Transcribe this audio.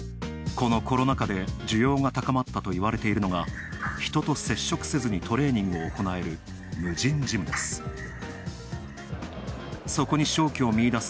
このコロナ禍で需要が高まったといわれているのが人と接触せずにトレーニングを行える無人ジムです。